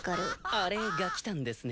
あれが来たんですね。